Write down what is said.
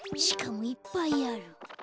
しかもいっぱいある。